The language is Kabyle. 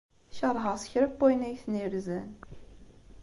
Keṛheɣ s kra n wayen ay ten-yerzan.